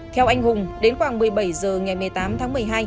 theo anh hùng đến khoảng một mươi bảy h ngày một mươi tám tháng một mươi hai